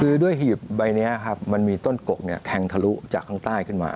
คือด้วยหีบใบนี้ครับมันมีต้นกกแทงทะลุจากข้างใต้ขึ้นมา